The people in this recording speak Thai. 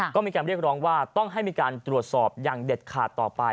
ก็มีการเรียกร้องว่าต้องให้มีการตรวจสอบอย่างเด็ดขาดต่อไป